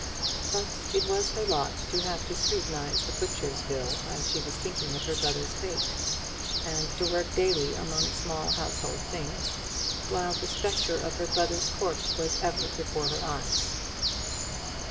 But it was her lot to have to scrutinize the butcher's bill as she was thinking of her brother's fate; and to work daily among small household things while the spectre of her brother's corpse was ever before her eyes.